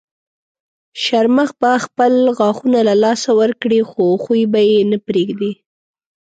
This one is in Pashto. شرمښ به خپل غاښونه له لاسه ورکړي خو خوی به یې نه پرېږدي.